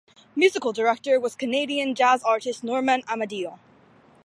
Musical director was Canadian jazz artist Norman Amadio.